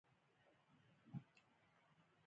د دایکنډي په ګیتي کې د څه شي نښې دي؟